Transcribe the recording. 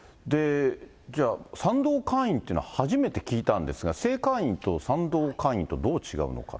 賛同会員というのは初めて聞いたんですが、正会員と賛同会員とどう違うのか。